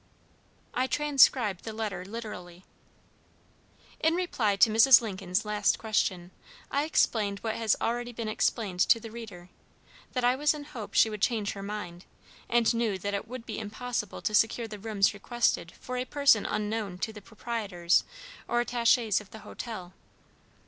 _" I transcribe the letter literally. In reply to Mrs. Lincoln's last question, I explained what has already been explained to the reader, that I was in hope she would change her mind, and knew that it would be impossible to secure the rooms requested for a person unknown to the proprietors or attachés of the hotel.